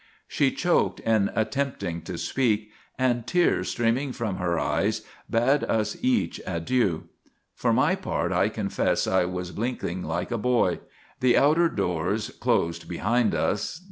She choked in attempting to speak, and, tears streaming from her eyes, bade us each adieu. For my part I confess I was blinking like a boy. The outer doors closed behind us.